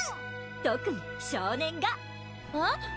特に少年がえっ？